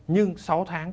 nhưng sáu tháng